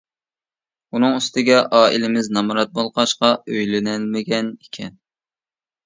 ئۇنىڭ ئۈستىگە ئائىلىمىز نامرات بولغاچقا ئۆيلىنەلمىگەن ئىكەن.